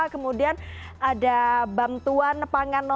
kemudian ada bantuan pangan